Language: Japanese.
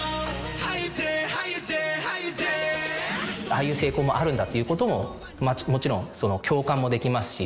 ああいう成功もあるんだということももちろん共感もできますし。